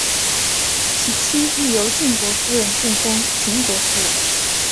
其妻亦由晋国夫人进封秦国夫人。